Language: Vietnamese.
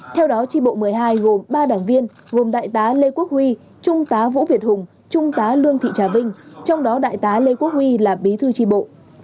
theo đó tri bộ một mươi hai gồm ba đảng viên gồm đại tá lê quốc huy trung tá vũ việt hùng trung tá lương thị trà vinh trong đó đại tá lê quốc huy là bí thư tri bộ